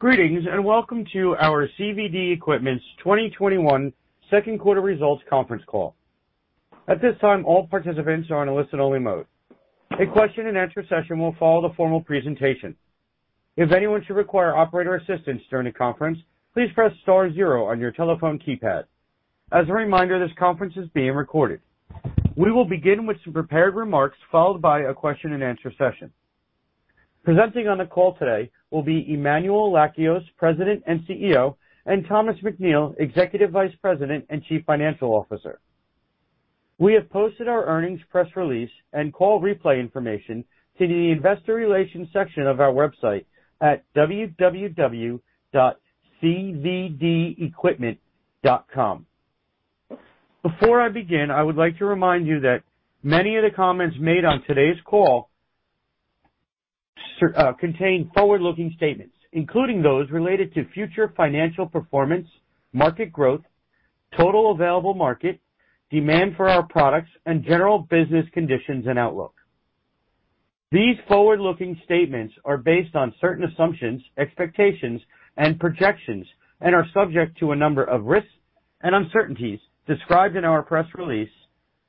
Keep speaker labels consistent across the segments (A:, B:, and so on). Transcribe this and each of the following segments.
A: Greetings, and welcome to our CVD Equipment's 2021 second quarter results conference call. At this time, all participants are on a listen-only mode. A question and answer session will follow the formal presentation. If anyone should require operator assistance during the conference, please press star zero on your telephone keypad. As a reminder, this conference is being recorded. We will begin with some prepared remarks, followed by a question-and-answer session. Presenting on the call today will be Emmanuel Lakios, President and CEO, and Thomas McNeill, Executive Vice President and Chief Financial Officer. We have posted our earnings press release and call replay information to the investor relations section of our website at www.cvdequipment.com. Before I begin, I would like to remind you that many of the comments made on today's call contain forward-looking statements, including those related to future financial performance, market growth, total available market, demand for our products, and general business conditions and outlook. These forward-looking statements are based on certain assumptions, expectations, and projections, and are subject to a number of risks and uncertainties described in our press release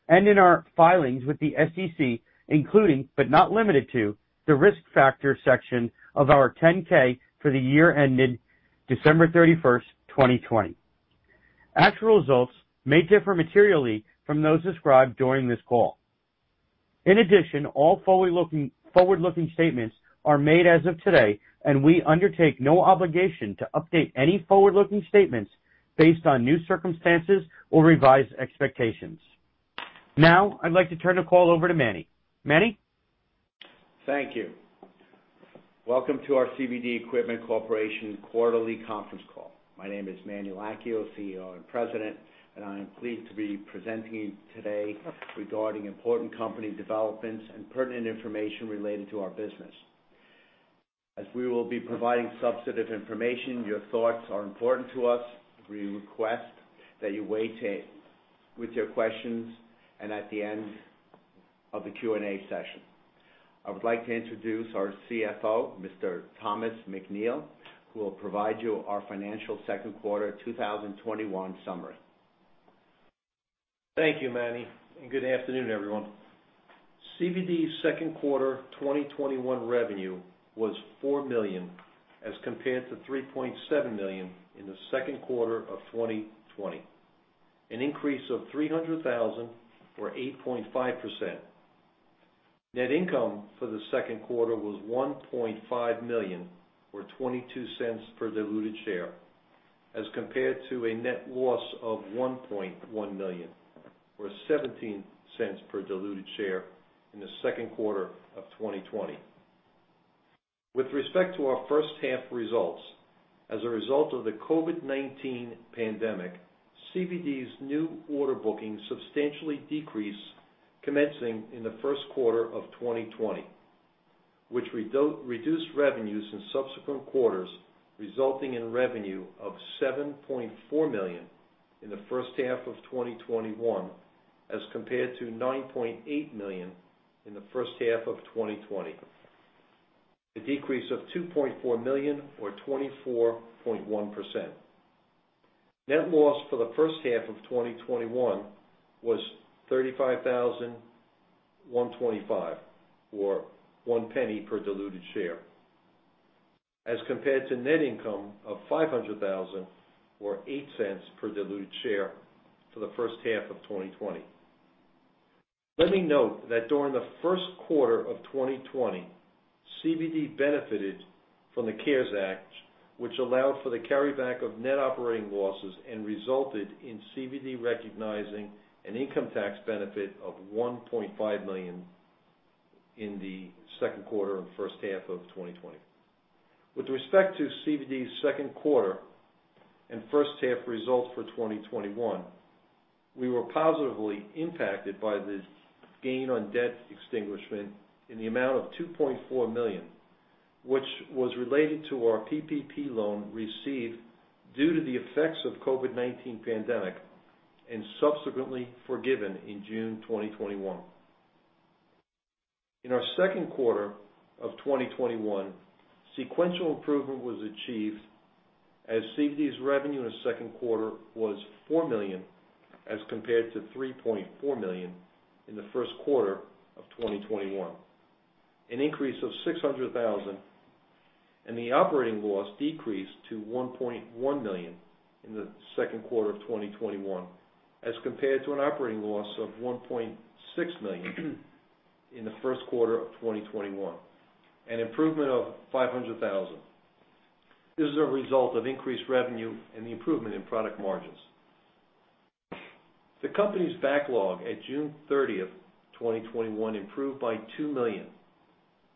A: and in our filings with the SEC, including, but not limited to, the Risk Factors section of our 10-K for the year ended December 31st, 2020. Actual results may differ materially from those described during this call. In addition, all forward-looking statements are made as of today, and we undertake no obligation to update any forward-looking statements based on new circumstances or revised expectations. Now, I'd like to turn the call over to Manny. Manny?
B: Thank you. Welcome to our CVD Equipment Corporation quarterly conference call. My name is Manny Lakios, CEO and President. I am pleased to be presenting today regarding important company developments and pertinent information related to our business. As we will be providing substantive information, your thoughts are important to us. We request that you wait with your questions and at the end of the Q&A session. I would like to introduce our CFO, Mr. Thomas McNeill, who will provide you our financial second quarter 2021 summary.
C: Thank you, Manny. Good afternoon, everyone. CVD's second quarter 2021 revenue was $4 million as compared to $3.7 million in the second quarter of 2020, an increase of $300,000 or 8.5%. Net income for the second quarter was $1.5 million or $0.22 per diluted share as compared to a net loss of $1.1 million or $0.17 per diluted share in the second quarter of 2020. With respect to our first half results, as a result of the COVID-19 pandemic, CVD's new order bookings substantially decreased commencing in the first quarter of 2020, which reduced revenues in subsequent quarters, resulting in revenue of $7.4 million in the first half of 2021 as compared to $9.8 million in the first half of 2020, a decrease of $2.4 million or 24.1%. Net loss for the first half of 2021 was $35,125 or $0.01 per diluted share as compared to net income of $500,000 or $0.08 per diluted share for the first half of 2020. Let me note that during the first quarter of 2020, CVD benefited from the CARES Act, which allowed for the carryback of net operating losses and resulted in CVD recognizing an income tax benefit of $1.5 million in the second quarter and first half of 2020. With respect to CVD's second quarter and first half results for 2021, we were positively impacted by the gain on debt extinguishment in the amount of $2.4 million, which was related to our PPP loan received due to the effects of COVID-19 pandemic and subsequently forgiven in June 2021. In our second quarter of 2021, sequential improvement was achieved as CVD's revenue in the second quarter was $4 million as compared to $3.4 million in the first quarter of 2021, an increase of $600,000. The operating loss decreased to $1.1 million in the second quarter of 2021 as compared to an operating loss of $1.6 million in the first quarter of 2021, an improvement of $500,000. This is a result of increased revenue and the improvement in product margins. The company's backlog at June 30th, 2021 improved by $2 million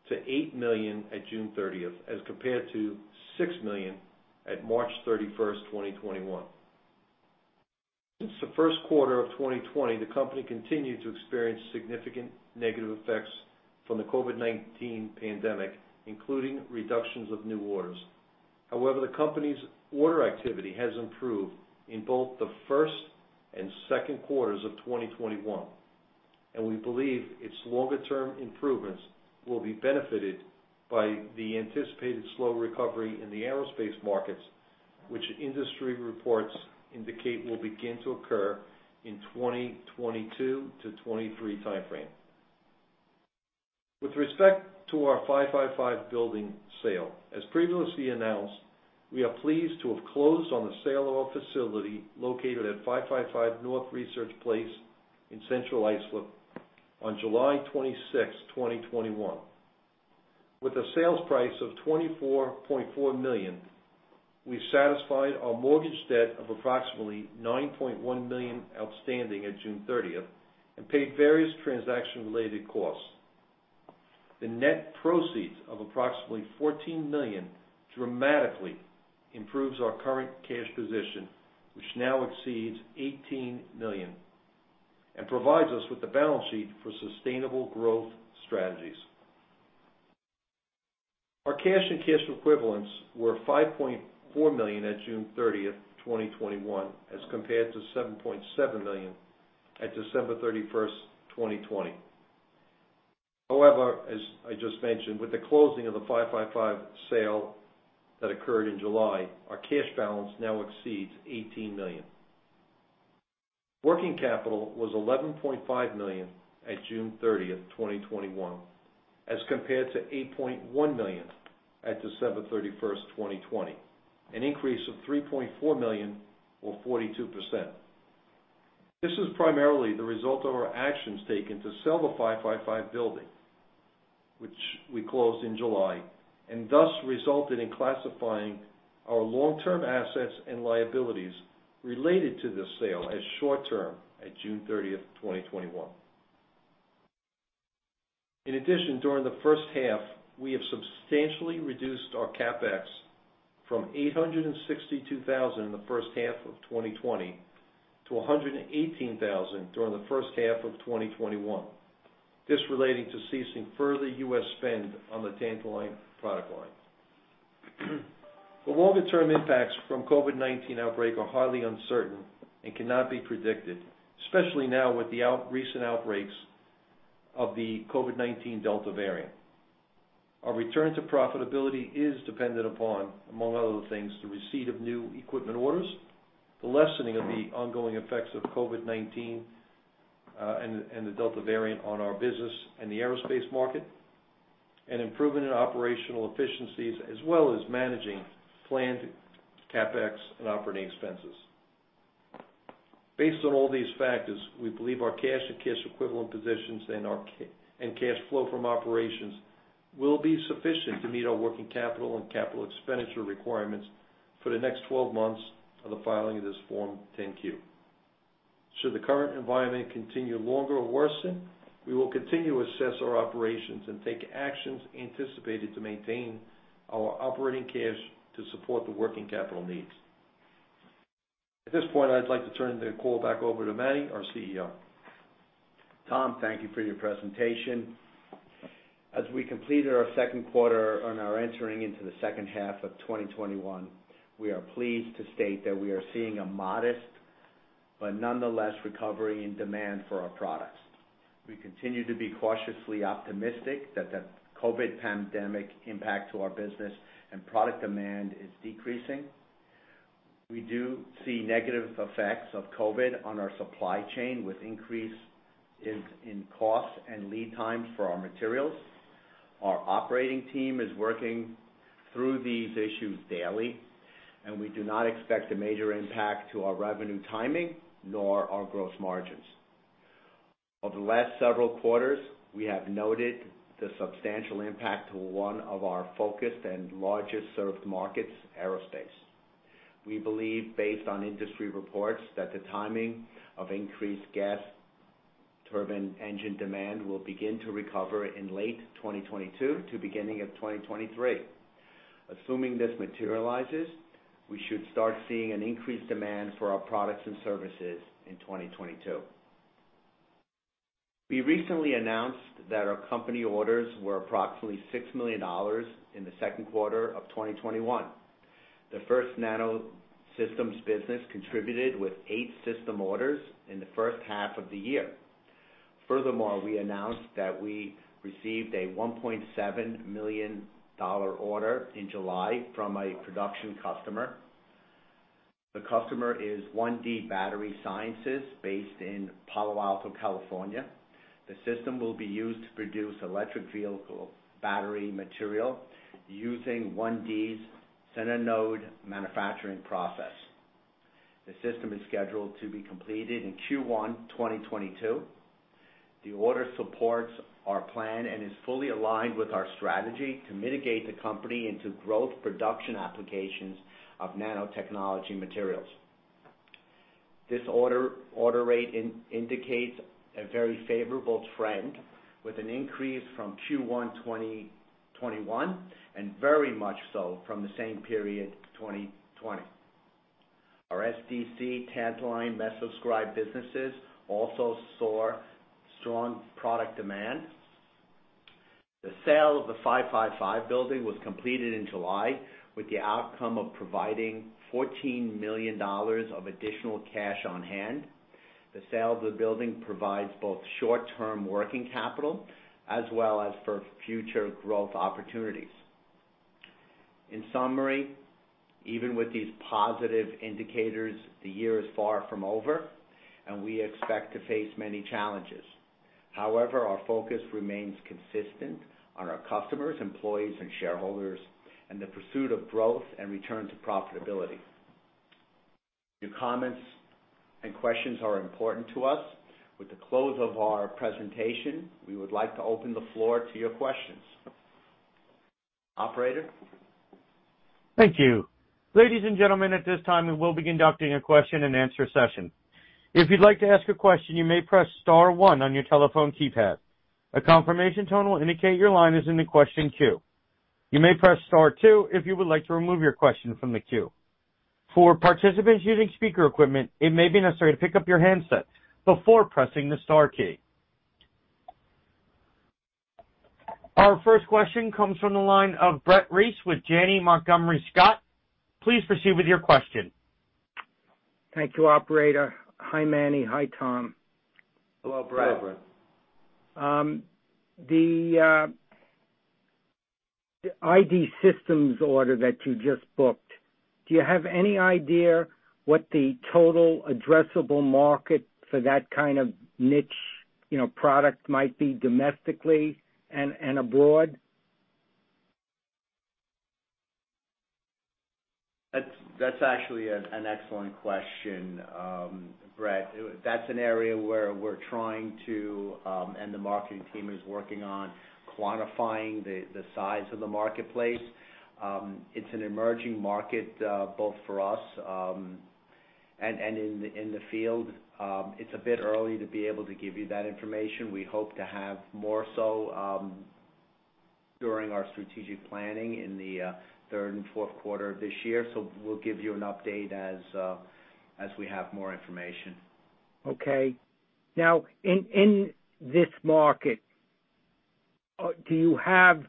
C: to $8 million at June 30th, as compared to $6 million at March 31st, 2021. Since the first quarter of 2020, the company continued to experience significant negative effects from the COVID-19 pandemic, including reductions of new orders. However, the company's order activity has improved in both the first and second quarters of 2021. We believe its longer-term improvements will be benefited by the anticipated slow recovery in the aerospace markets, which industry reports indicate will begin to occur in 2022 to 2023 timeframe. With respect to our 555 building sale, as previously announced, we are pleased to have closed on the sale of our facility located at 555 North Research Place in Central Islip on July 26th, 2021. With a sales price of $24.4 million, we satisfied our mortgage debt of approximately $9.1 million outstanding at June 30th, and paid various transaction-related costs. The net proceeds of approximately $14 million dramatically improves our current cash position, which now exceeds $18 million, and provides us with the balance sheet for sustainable growth strategies. Our cash and cash equivalents were $5.4 million at June 30th, 2021, as compared to $7.7 million at December 31st, 2020. As I just mentioned, with the closing of the 555 sale that occurred in July, our cash balance now exceeds $18 million. Working capital was $11.5 million at June 30th, 2021, as compared to $8.1 million at December 31st, 2020, an increase of $3.4 million or 42%. This is primarily the result of our actions taken to sell the 555 building, which we closed in July, and thus resulted in classifying our long-term assets and liabilities related to this sale as short-term at June 30th, 2021. During the first half, we have substantially reduced our CapEx from $862,000 in the first half of 2020 to $118,000 during the first half of 2021. This relating to ceasing further U.S. spend on the Tantaline product line. The longer-term impacts from COVID-19 outbreak are highly uncertain and cannot be predicted, especially now with the recent outbreaks of the COVID-19 Delta variant. Our return to profitability is dependent upon, among other things, the receipt of new equipment orders, the lessening of the ongoing effects of COVID-19, and the Delta variant on our business and the aerospace market, and improving the operational efficiencies as well as managing planned CapEx and operating expenses. Based on all these factors, we believe our cash and cash equivalent positions and cash flow from operations will be sufficient to meet our working capital and capital expenditure requirements for the next 12 months of the filing of this Form 10-Q. Should the current environment continue longer or worsen, we will continue to assess our operations and take actions anticipated to maintain our operating cash to support the working capital needs. At this point, I'd like to turn the call back over to Manny, our CEO.
B: Tom, thank you for your presentation. As we completed our second quarter and are entering into the second half of 2021, we are pleased to state that we are seeing a modest, but nonetheless, recovery in demand for our products. We continue to be cautiously optimistic that the COVID pandemic impact to our business and product demand is decreasing. We do see negative effects of COVID on our supply chain with increase in costs and lead times for our materials. Our operating team is working through these issues daily, and we do not expect a major impact to our revenue timing nor our gross margins. Over the last several quarters, we have noted the substantial impact to one of our focused and largest served markets, aerospace. We believe, based on industry reports that the timing of increased gas turbine engine demand will begin to recover in late 2022 to beginning of 2023. Assuming this materializes, we should start seeing an increased demand for our products and services in 2022. We recently announced that our company orders were approximately $6 million in the second quarter of 2021. The FirstNano systems business contributed with eight system orders in the 1st half of the year. Furthermore, we announced that we received a $1.7 million order in July from a production customer. The customer is OneD Battery Sciences based in Palo Alto, California. The system will be used to produce electric vehicle battery material using OneD's SINANODE manufacturing process. The system is scheduled to be completed in Q1 2022. The order supports our plan and is fully aligned with our strategy to mitigate the company into growth production applications of nanotechnology materials. This order rate indicates a very favorable trend with an increase from Q1 2021, and very much so from the same period, 2020. Our SDC, Tantaline, MesoScribe businesses also saw strong product demand. The sale of the 555 building was completed in July with the outcome of providing $14 million of additional cash on hand. The sale of the building provides both short-term working capital as well as for future growth opportunities. In summary, even with these positive indicators, the year is far from over, and we expect to face many challenges. However, our focus remains consistent on our customers, employees, and shareholders, and the pursuit of growth and return to profitability. Your comments and questions are important to us. With the close of our presentation, we would like to open the floor to your questions. Operator?
A: Thank you. Ladies and gentlemen, at this time, we will begin conducting a question-and-answer session. If you'd like to ask a question, you may press star one on your telephone keypad. A confirmation tone will indicate your line is in the question queue. You may press star two if you would like to remove your question from the queue. For participants using speaker equipment, it may be necessary to pick up your handset before pressing the star key. Our first question comes from the line of Brett Reiss with Janney Montgomery Scott. Please proceed with your question.
D: Thank you, operator. Hi, Manny. Hi, Tom.
B: Hello, Brett.
C: Hi, Brett.
D: The ID systems order that you just booked, do you have any idea what the total addressable market for that kind of niche product might be domestically and abroad?
B: That's actually an excellent question, Brett. That's an area where we're trying to, and the marketing team is working on quantifying the size of the marketplace. It's an emerging market both for us, and in the field. It's a bit early to be able to give you that information. We hope to have more so during our strategic planning in the third and fourth quarter of this year. We'll give you an update as we have more information.
D: In this market, do you have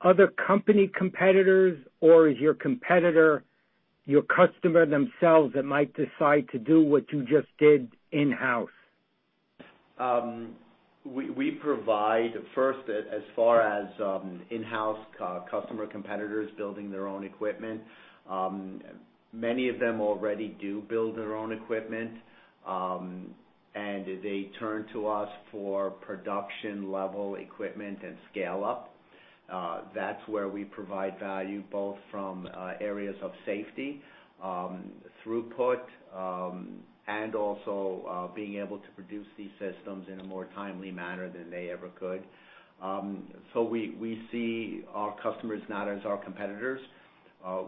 D: other company competitors, or is your competitor your customer themselves that might decide to do what you just did in-house?
B: We provide, first, as far as in-house customer competitors building their own equipment. Many of them already do build their own equipment, and they turn to us for production level equipment and scale up. That's where we provide value both from areas of safety, throughput, and also being able to produce these systems in a more timely manner than they ever could. We see our customers not as our competitors.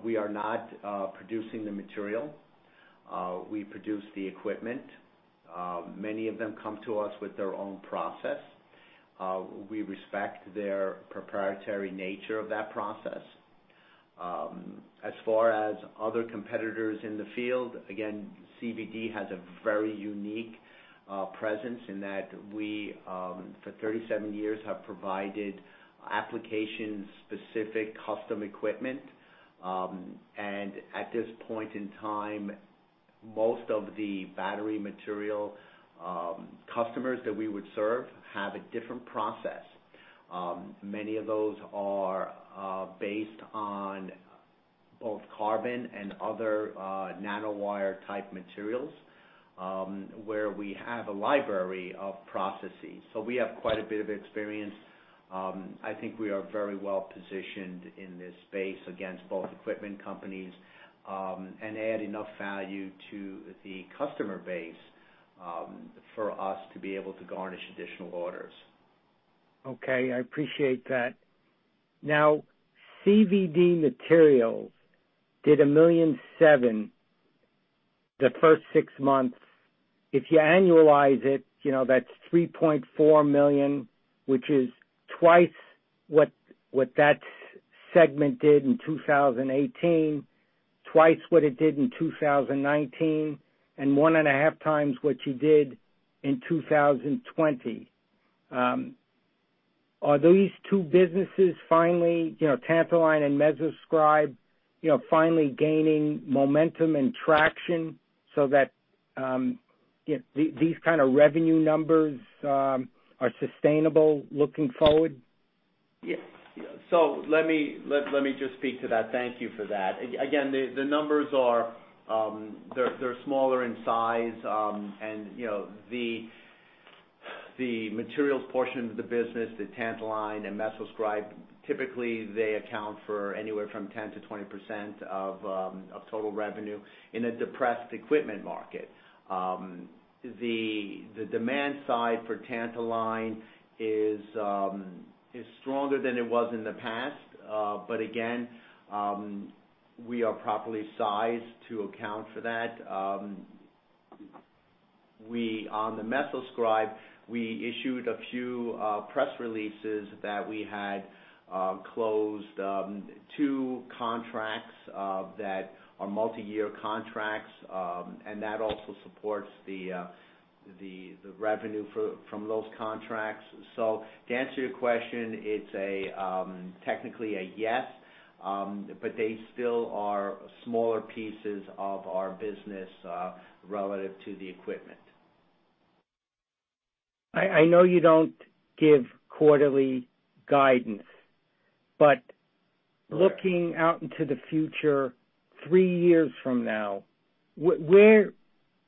B: We are not producing the material. We produce the equipment. Many of them come to us with their own process. We respect their proprietary nature of that process. As far as other competitors in the field, again, CVD has a very unique presence in that we, for 37 years, have provided application-specific custom equipment. At this point in time, most of the battery material customers that we would serve have a different process. Many of those are based on both carbon and other nanowire type materials, where we have a library of processes. We have quite a bit of experience. I think we are very well positioned in this space against both equipment companies, add enough value to the customer base for us to be able to garner additional orders.
D: Okay, I appreciate that. CVD Materials did $1.7 million the first six months. If you annualize it, that's $3.4 million, which is twice what that segment did in 2018, twice what it did in 2019, and 1.5x what you did in 2020. Are these two businesses finally, Tantaline and MesoScribe, finally gaining momentum and traction so that these kind of revenue numbers are sustainable looking forward?
B: Yeah. Let me just speak to that. Thank you for that. Again, the numbers are smaller in size. The materials portion of the business, the Tantaline and MesoScribe, typically they account for anywhere from 10%-20% of total revenue in a depressed equipment market. The demand side for Tantaline is stronger than it was in the past. Again, we are properly sized to account for that. On the MesoScribe, we issued a few press releases that we closed two contracts that are multi-year contracts, and that also supports the revenue from those contracts. To answer your question, it's technically a yes, but they still are smaller pieces of our business relative to the equipment.
D: I know you don't give quarterly guidance, looking out into the future, three years from now, where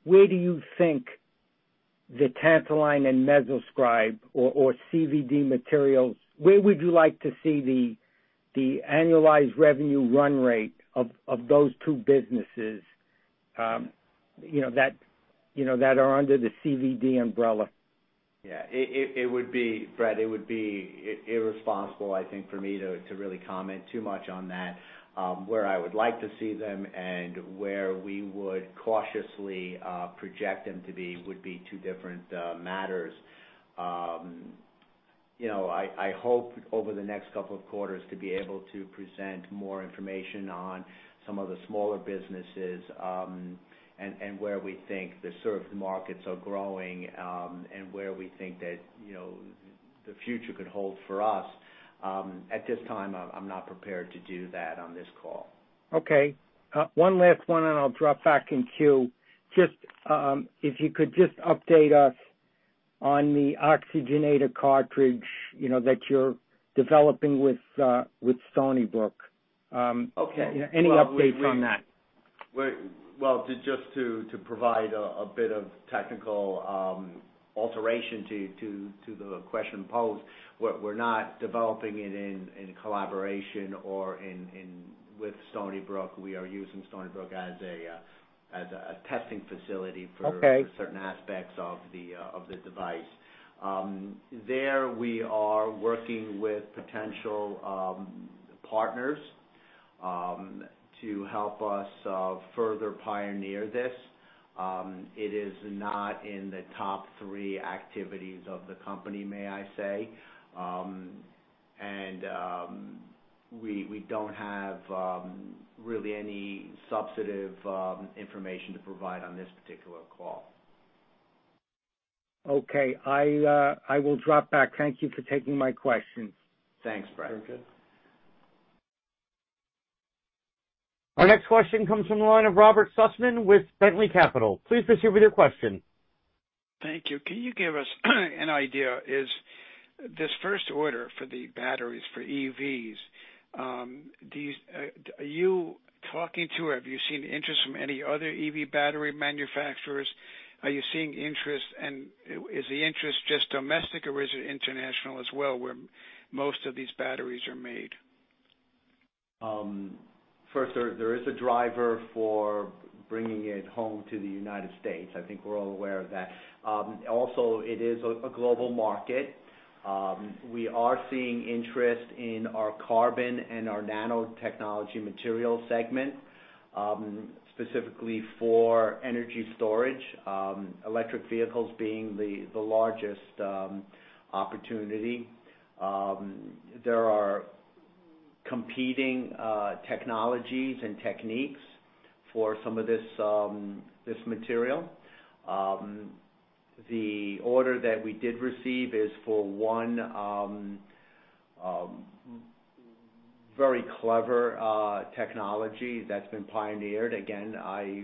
D: do you think the Tantaline and MesoScribe or CVD Materials, where would you like to see the annualized revenue run rate of those two businesses that are under the CVD umbrella?
B: Yeah. Brett, it would be irresponsible, I think, for me to really comment too much on that. Where I would like to see them and where we would cautiously project them to be would be two different matters. I hope over the next couple of quarters to be able to present more information on some of the smaller businesses, and where we think the served markets are growing, and where we think that the future could hold for us. At this time, I'm not prepared to do that on this call.
D: Okay. One last one, and I'll drop back in queue. If you could just update us on the oxygenator cartridge that you're developing with Stony Brook.
B: Okay.
D: Any update on that?
B: Well, just to provide a bit of technical alteration to the question posed, we're not developing it in collaboration or with Stony Brook. We are using Stony Brook as a testing facility for...
D: Okay
B: ...certain aspects of the device. There, we are working with potential partners to help us further pioneer this. It is not in the top three activities of the company, may I say. We don't have really any substantive information to provide on this particular call.
D: Okay. I will drop back. Thank you for taking my question.
B: Thanks, Brett.
C: Very good.
A: Our next question comes from the line of Robert Sussman with Bentley Capital. Please proceed with your question.
E: Thank you. Can you give us an idea, is this first order for the batteries for EVs, are you talking to, or have you seen interest from any other EV battery manufacturers? Are you seeing interest, and is the interest just domestic, or is it international as well, where most of these batteries are made?
B: First, there is a driver for bringing it home to the United States. It is a global market. We are seeing interest in our carbon and our nanotechnology material segment, specifically for energy storage, electric vehicles being the largest opportunity. There are competing technologies and techniques for some of this material. The order that we did receive is for one very clever technology that's been pioneered. Again, I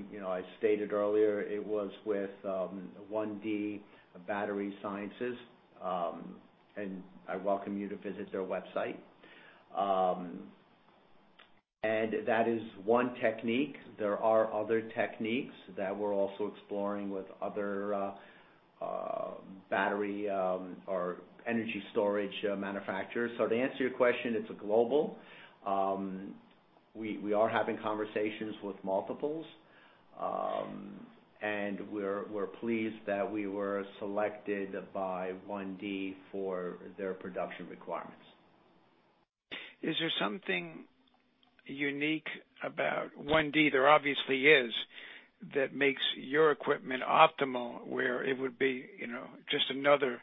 B: stated earlier it was with OneD Battery Sciences, and I welcome you to visit their website. That is one technique. There are other techniques that we're also exploring with other battery or energy storage manufacturers. To answer your question, it's global. We are having conversations with multiples. We're pleased that we were selected by OneD for their production requirements.
E: Is there something unique about OneD? There obviously is, that makes your equipment optimal, where it would be just another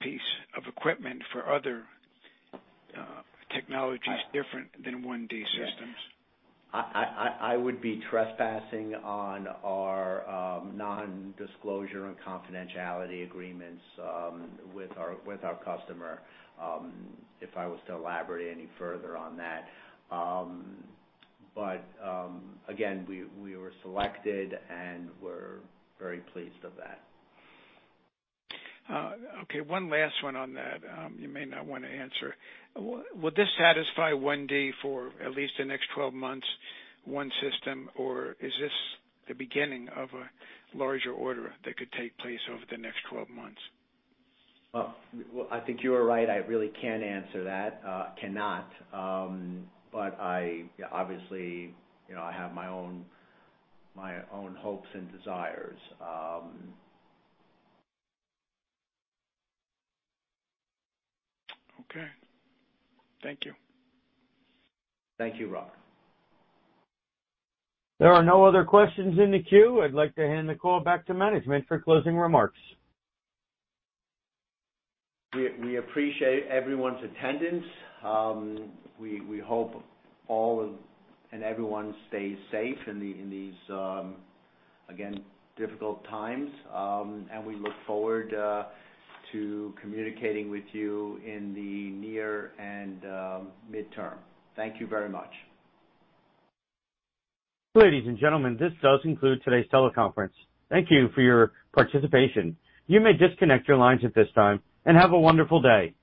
E: piece of equipment for other technologies different than OneD systems.
B: I would be trespassing on our Non-disclosure and Confidentiality Agreements with our customer if I was to elaborate any further on that. Again, we were selected, and we're very pleased of that.
E: Okay, one last one on that. You may not want to answer. Will this satisfy OneD for at least the next 12 months, one system, or is this the beginning of a larger order that could take place over the next 12 months?
B: I think you are right. I really can't answer that. Cannot. I obviously have my own hopes and desires.
E: Okay. Thank you.
B: Thank you, Rob.
A: There are no other questions in the queue. I'd like to hand the call back to management for closing remarks.
B: We appreciate everyone's attendance. We hope all and everyone stays safe in these, again, difficult times. We look forward to communicating with you in the near and mid-term. Thank you very much.
A: Ladies and gentlemen, this does conclude today's teleconference. Thank you for your participation. You may disconnect your lines at this time and have a wonderful day.